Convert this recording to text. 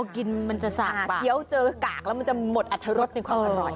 กินมันจะสาดเคี้ยวเจอกากแล้วมันจะหมดอัตรรสในความอร่อย